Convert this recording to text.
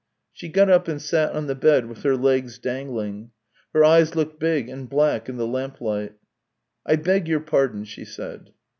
She got up and sat on the bed with her legs dangling. Her eyes looked big and black in the lamplight. " I beg your pardon," she said.